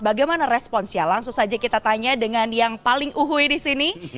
bagaimana responsnya langsung saja kita tanya dengan yang paling uhui di sini